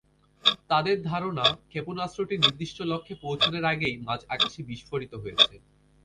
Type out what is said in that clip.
তাদের ধারণা, ক্ষেপণাস্ত্রটি নির্দিষ্ট লক্ষ্যে পৌঁছানোর আগেই মাঝ আকাশে বিস্ফোরিত হয়েছে।